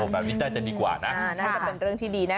อ๋อแบบนี้ก็ดีกว่าน่าจะเป็นเรื่องที่ดี